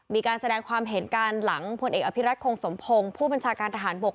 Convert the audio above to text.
มีการแสดงความเห็นการหลังพลเอกอภิรัตคงสมพงศ์ผู้บัญชาการทหารบก